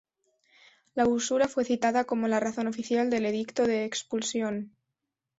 La usura fue citada como la razón oficial del Edicto de Expulsión.